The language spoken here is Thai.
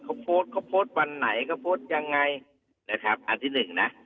เขาโพสต์เขาโพสต์วันไหนเขาโพสต์ยังไงนะครับอันที่หนึ่งนะ